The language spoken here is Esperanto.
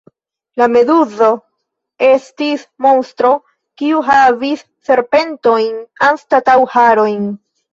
La Meduzo estis monstro, kiu havis serpentojn anstataŭ harojn.